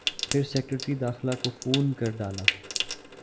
پھر سیکرٹری داخلہ کو فون کر ڈالا۔